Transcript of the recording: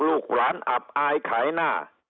ลูกหลานอับอายขายหน้า